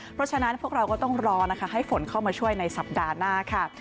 เพราะฉะนั้นพวกเราก็ต้องรอนะคะให้ฝนเข้ามาช่วยในสัปดาห์หน้าค่ะ